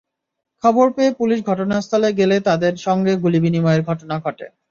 খবর পেয়ে পুলিশ ঘটনাস্থলে গেলে তাঁদের সঙ্গে গুলি বিনিময়ের ঘটনা ঘটে।